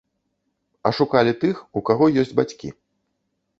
А шукалі тых, у каго ёсць бацькі.